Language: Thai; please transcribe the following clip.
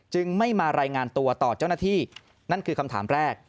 จึงไม่มารายงานตัวต่อเจ้าหน้าที่นั่นคือคำถามแรก